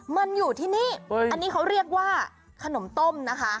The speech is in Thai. มันอยู่ที่นี่อันนี้เขาเรียกว่าขนมต้มนะคะ